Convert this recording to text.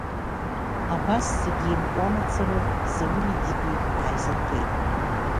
Абас зегьы еимпуа мацара, Заури Дигәеи ааизынхеит.